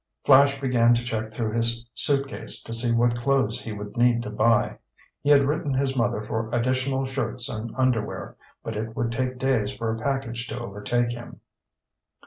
Flash began to check through his suitcase to see what clothes he would need to buy. He had written his mother for additional shirts and underwear, but it would take days for a package to overtake him.